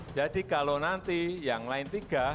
jadi kalau nanti yang lain tiga